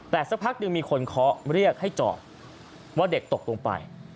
แต่สักพักหนึ่งมีคนเคาะเรียกให้จอดว่าเด็กตกลงไป